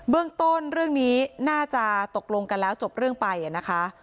เรื่องต้นเรื่องนี้น่าจะตกลงกันแล้วจบเรื่องไปนะคะ